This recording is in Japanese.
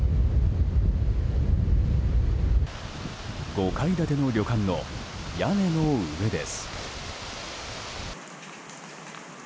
５階建ての旅館の屋根の上です。